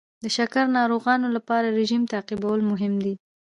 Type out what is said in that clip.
د شکر ناروغانو لپاره رژیم تعقیبول مهم دي.